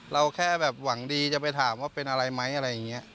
เราแค่แบบหวังดีจะไปถามว่าเป็นอะไรไหมอะไรอย่างนี้